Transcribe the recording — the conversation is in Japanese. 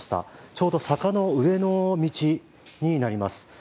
ちょうど坂の上の道になります。